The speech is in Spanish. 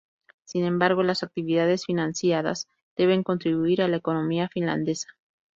Sin embargo, las actividades financiadas deben contribuir a la economía finlandesa.